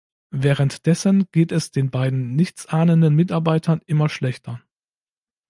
Währenddessen geht es den beiden nichtsahnenden Mitarbeitern immer schlechter.